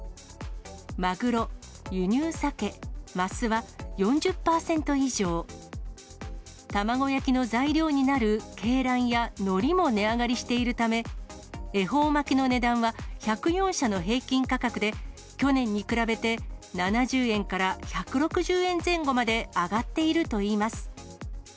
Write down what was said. まぐろ、輸入さけ、ますは４０％以上、卵焼きの材料になる鶏卵やのりも値上がりしているため、恵方巻の値段は、１０４社の平均価格で去年に比べて７０円から１６０円前後まで上がっているといいます。